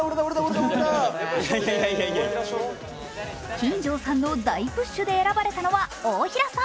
金城さんの大プッシュで選ばれたのは大平さん。